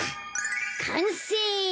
かんせい！